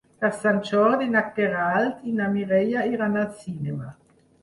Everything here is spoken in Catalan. Per Sant Jordi na Queralt i na Mireia iran al cinema.